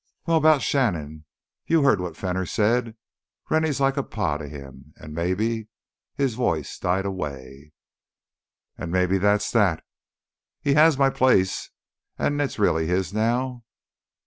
"Well, 'bout Shannon. You heard what Fenner said—Rennie's like a pa to him. An' maybe ..." His voice died away. "And maybe that's that? He has my place, and it's really his now?"